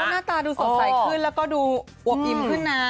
หน้าตาดูสดใสขึ้นแล้วก็ดูอวบอิ่มขึ้นนะ